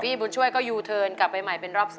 บุญช่วยก็ยูเทิร์นกลับไปใหม่เป็นรอบ๒